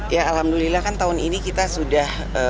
ya alhamdulillah kan tahun ini kita sudah